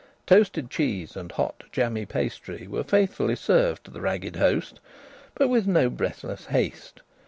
Toasted cheese and hot jammy pastry were faithfully served to the ragged host but with no breathless haste.